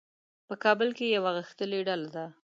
په کابل کې یوه غښتلې ډله ده.